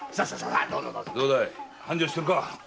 どうだい繁盛してるか？